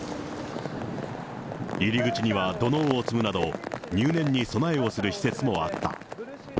入り口には土のうを積むなど、入念に備えをする施設もあった。